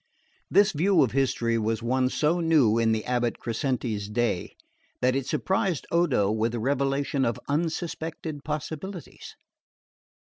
This view of history was one so new in the abate Crescenti's day that it surprised Odo with the revelation of unsuspected possibilities.